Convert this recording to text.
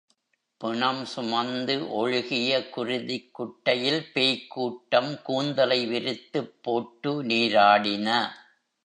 பிணம் சுமந்து ஒழுகிய குருதிக் குட்டையில் பேய்க் கூட்டம் கூந்தலை விரித்துப் போட்டு நீராடின.